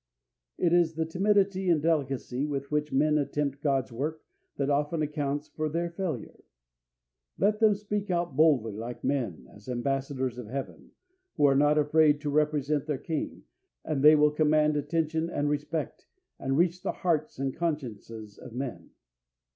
It is the timidity and delicacy with which men attempt God's work that often accounts for their failure. Let them speak out boldly like men, as ambassadors of Heaven, who are not afraid to represent their King, and they will command attention and respect, and reach the hearts and consciences of men.